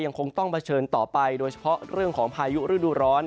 คงต้องเผชิญต่อไปโดยเฉพาะเรื่องของพายุฤดูร้อน